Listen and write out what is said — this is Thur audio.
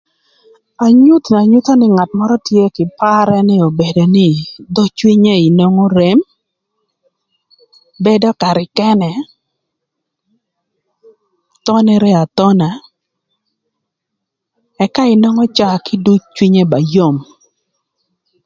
Anyuth na nyutho nï ngat mörö tye kï two par ënë obedo nï, dhö cwinye inwongo rem, bedo karë kënë, thonere athona, ëka inwongo caa kiduc cwinye ba yom.